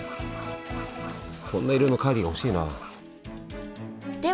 こんな色のカーディガン欲しいな。